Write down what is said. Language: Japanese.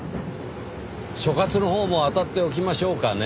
所轄のほうもあたっておきましょうかねぇ。